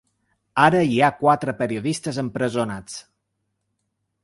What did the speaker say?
Ara hi ha quatre periodistes empresonats.